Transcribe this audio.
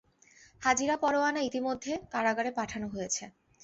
হাজিরা পরোয়ানা ইতিমধ্যে কারাগারে পাঠানো হয়েছে।